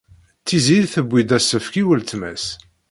Tiziri tewwi-d asefk i weltma-s.